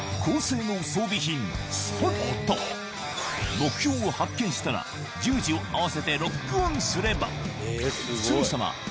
目標を発見したら十字を合わせてロックオンすればすぐさまへぇ。